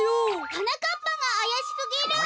はなかっぱがあやしすぎる！